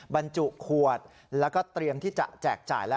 บรรจุขวดแล้วก็เตรียมที่จะแจกจ่ายแล้ว